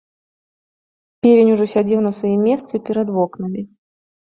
Певень ужо сядзеў на сваім месцы перад вокнамі.